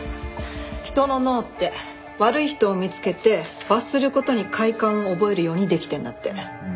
人の脳って悪い人を見つけて罰する事に快感を覚えるようにできてるんだって。